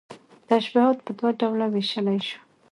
تشبيهات په دوه ډوله ويشلى شو